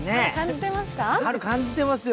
春感じてますか？